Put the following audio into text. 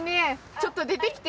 ちょっと出てきて。